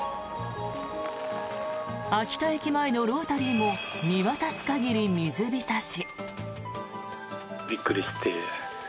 秋田駅前のロータリーも見渡す限り水浸し。